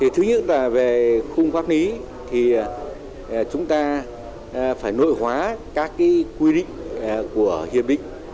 thứ nhất là về khung pháp lý thì chúng ta phải nội hóa các quy định của hiệp định